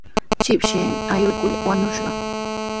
Shipshimi awkilluu wañushqa.